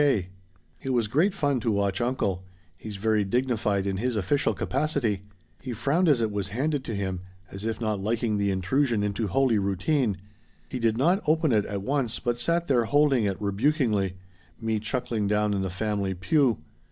K .' "It was great fun to watch uncle he's very dignified in his official capacity. He frowned as it was handed him, as if not liking the intrusion into holy routine. He did not open it at once but sat there holding it rebukingly me chuckling down in the family pew.